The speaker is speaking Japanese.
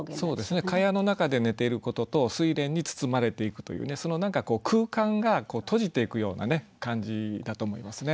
蚊帳の中で寝ていることと睡蓮に包まれていくというねその何か空間が閉じていくような感じだと思いますね。